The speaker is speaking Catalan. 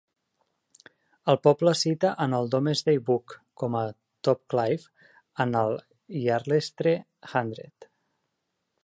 El poble es cita en el "Domesday Book" com a "Topeclive" en el "Yarlestre hundred".